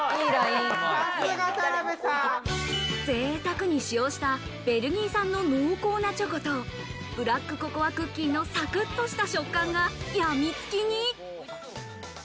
ぜいたくに使用したベルギー産の濃厚なチョコと、ブラックココアクッキーのサクっとした食感がやみつきに。